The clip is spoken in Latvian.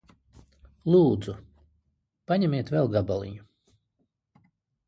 Lūdzu. Paņemiet vēl gabaliņu.